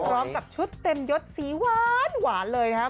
พร้อมกับชุดเต็มยดสีหวานหวานเลยนะครับ